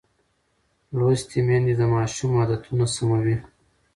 لوستې میندې د ماشوم عادتونه سموي.